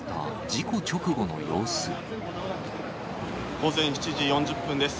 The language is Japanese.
午前７時４０分です。